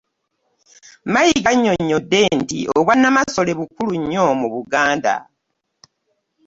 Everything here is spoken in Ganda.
Mayiga annyonnyodde nti Obwannamasole bukulu nnyo mu Buganda.